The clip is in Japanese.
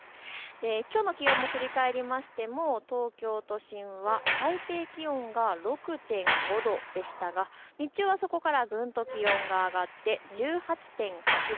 きょうの気温を振り返りましても東京都心は最低気温が６．５度でしたが、日中はそこからぐんと気温が上がって１８．８度。